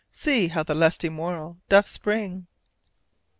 See how the lusty morrow doth spring!'"